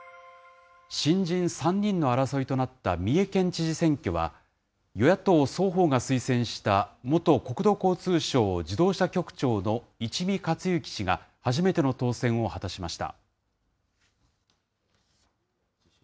新人３人の争いとなった三重県知事選挙は、与野党双方が推薦した元国土交通省自動車局長の一見勝之氏が初めての当選を果たしました。